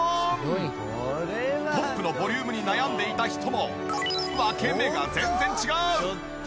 トップのボリュームに悩んでいた人も分け目が全然違う！